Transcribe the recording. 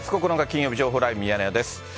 金曜日、情報ライブミヤネ屋です。